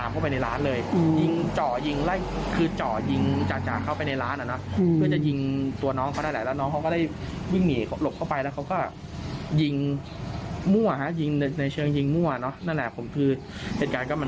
อ้าวฟังเสียงเจ้าของร้านหน่อยค่ะ